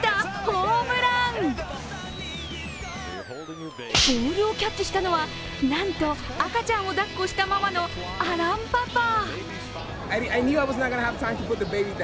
ボールをキャッチしたのは、なんと赤ちゃんをだっこしたままのアランパパ。